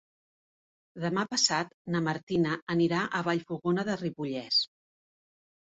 Demà passat na Martina anirà a Vallfogona de Ripollès.